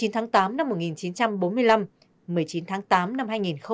một mươi tháng tám năm một nghìn chín trăm bốn mươi năm một mươi chín tháng tám năm hai nghìn hai mươi